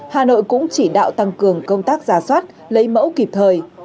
hà nội cũng chỉ đạo tăng cường công tác giả soát lấy mẫu kịp thời